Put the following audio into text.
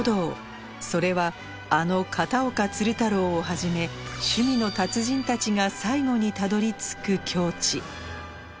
それはあの片岡鶴太郎をはじめ趣味の達人たちが最後にたどり着く境地